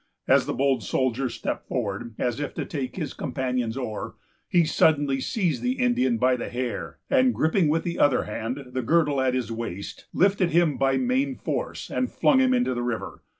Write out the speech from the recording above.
As the bold soldier stepped forward, as if to take his companion's oar, he suddenly seized the Indian by the hair, and, griping with the other hand the girdle at his waist, lifted him by main force, and flung him into the river.